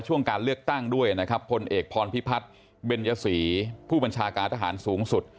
ช่วงการเลือกตั้งด้วยนะครับผลเอกภอพริพรตเบนยสีผู้บัญชาการทหารสูงสุด